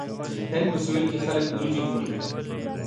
د هند په سویل کې خلک وریجې خوري.